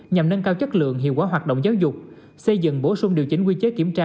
nhằm nâng cao chất lượng hiệu quả hoạt động giáo dục xây dựng bổ sung điều chỉnh quy chế kiểm tra